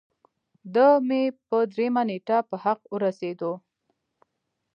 د مۍ پۀ دريمه نېټه پۀ حق اورسېدو